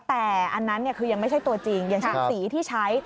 แต่อันนั้นคือยังไม่ใช่ตัวจริงอย่างเช่นสีที่ใช้